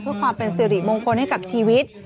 เพื่อความเป็นสิริมงคลให้กับชีวิต